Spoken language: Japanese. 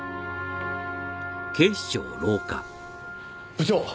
部長！